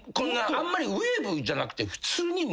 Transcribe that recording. あんまりウエーブじゃなくて普通に。